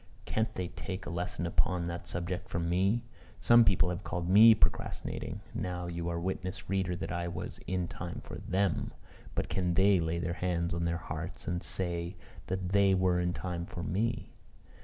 Can't they take a lesson upon that subject from me? Some people have called me procrastinating. Now you are witness, reader, that I was in time for them. But can they lay their hands on their hearts, and say that they were in time for me?